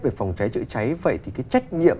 về phòng cháy chữa cháy vậy thì cái trách nhiệm